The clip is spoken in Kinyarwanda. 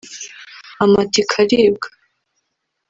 Amatika aribwa